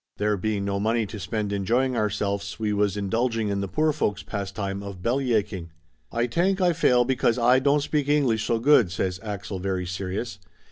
There being no money to spend enjoying ourselfs, we was indulging in the poor folks pastime of belly aching. "Ay tank Ay fail because Ay don't speak English so good," says Axel very serious.